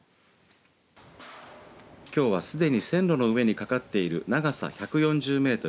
きょうは、すでに線路の上に架かっている長さ１４０メートル